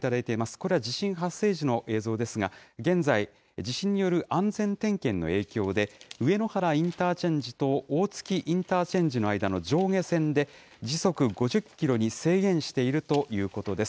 これは地震発生時の映像ですが、現在、地震による安全点検の影響で、上野原インターチェンジと大月インターチェンジの間の上下線で、時速５０キロに制限しているということです。